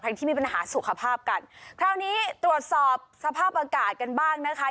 ที่มีปัญหาสุขภาพกันคราวนี้ตรวจสอบสภาพอากาศกันบ้างนะคะ